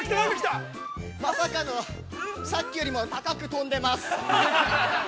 ◆まさかのさっきよりも高く飛んでいます。